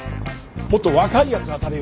もっと若いやつ当たれよ。